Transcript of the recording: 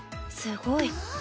すごい。